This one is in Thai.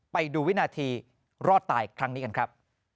ไปดูวินาทีรอดตายครั้งนี้กันครับ